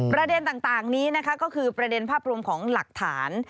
ประเด็นต่างนี้นะคะก็คือประเด็นภาพรวมของหลักฐาน